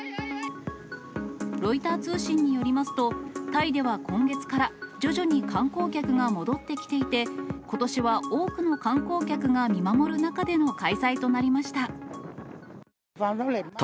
ロイター通信によりますと、タイでは今月から、徐々に観光客が戻ってきていて、ことしは多くの観光客が見守る中での開催となりました。